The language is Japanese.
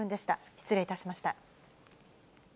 失礼いたしました。